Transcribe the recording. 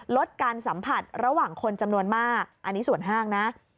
ลดการสัมผัสระหว่างคนจำนวนมากอันนี้ส่วนห้างนะ